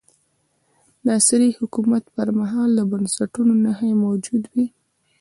د ناصر حکومت پر مهال د بنسټونو نښې موجودې وې.